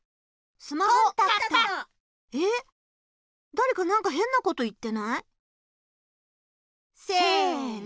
だれかなんかへんなこと言ってない？せの！